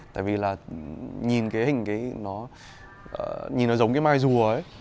tại vì là nhìn cái hình nó giống cái mai rùa ấy